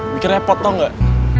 bikin repot tau gak